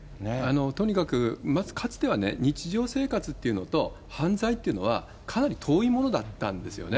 とにかく、まず、かつてはね、日常生活っていうのと、犯罪っていうのは、かなり遠いものだったんですよね。